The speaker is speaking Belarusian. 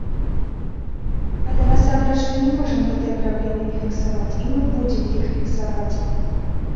Але насамрэч мы не можам гэтыя праблемы не фіксаваць, і мы будзем іх фіксаваць.